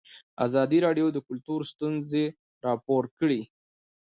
ازادي راډیو د کلتور ستونزې راپور کړي.